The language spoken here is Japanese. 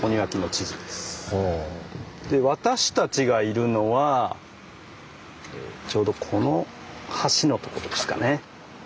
私たちがいるのはちょうどこの橋のとこですかね。